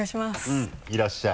うんいらっしゃい。